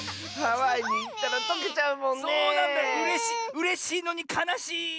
うれしいのにかなしい。